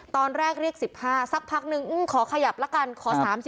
ตอนแรกเรียก๑๕สักพักนึงขอขยับละกันขอ๓๐